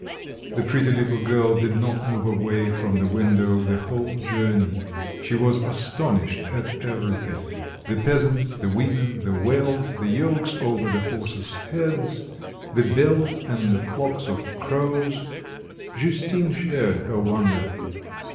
The pretty little girl did not move away from the window the whole journey; she was astonished at everything; the peasants, the women, the wells, the yokes over the horses' heads, the bells and the flocks of crows. Justine shared her wonder.